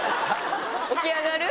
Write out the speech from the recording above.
起き上がる。